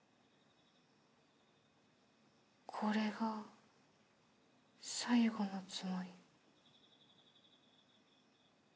これが最後のつもり？